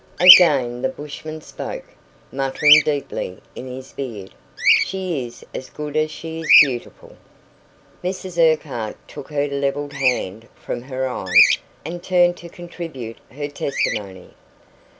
Again the bushman spoke, muttering deeply in his beard: "She is as good as she is beautiful." Mrs Urquhart took her levelled hand from her eyes, and turned to contribute her testimony.